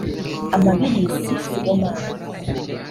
Amabilis Sibomana